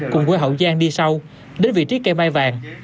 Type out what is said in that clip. cùng quê hậu giang đi sau đến vị trí cây mai vàng